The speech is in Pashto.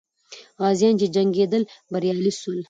غازیان چې جنګېدل، بریالي سول.